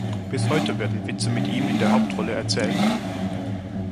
Bis heute werden Witze mit ihm in der Hauptrolle erzählt.